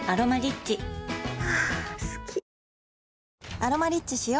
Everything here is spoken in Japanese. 「アロマリッチ」しよ